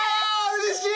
うれしい！